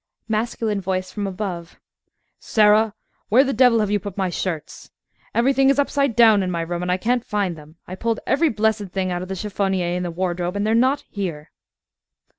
MASCULINE VOICE FROM ABOVE Sarah, where the devil have you put my shirts? Everything is upside down in my room, and I can't find them. I pulled every blessed thing out of the chiffonier and wardrobe, and they're not there!